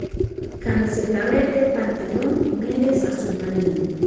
Camiseta verde, pantalón y medias azul marino.